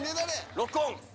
ロックオン。